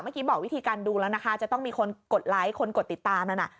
เมื่อกี้บอกวิธีการดูแล้วนะคะจะต้องมีคนกดไลค์คนกดติดตามนั่นน่ะ